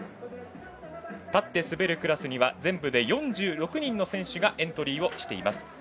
立って滑るクラスには全部で４６人の選手がエントリーしています。